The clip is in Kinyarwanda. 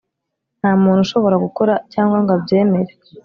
Nta muntu ushobora gukora cyangwa ngo abyemere